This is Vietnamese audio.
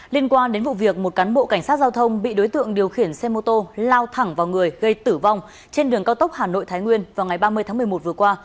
liên quan đến vụ việc một cán bộ cảnh sát giao thông bị đối tượng điều khiển xe mô tô lao thẳng vào người gây tử vong trên đường cao tốc hà nội thái nguyên vào ngày ba mươi tháng một mươi một vừa qua